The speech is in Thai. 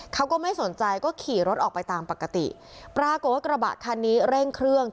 เขาก็ไม่สนใจก็ขี่รถออกไปตามปกติปรากฏว่ากระบะคันนี้เร่งเครื่อง